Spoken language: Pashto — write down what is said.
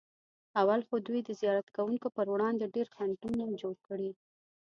اول خو دوی د زیارت کوونکو پر وړاندې ډېر خنډونه جوړ کړي.